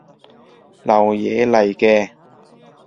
流嘢嚟嘅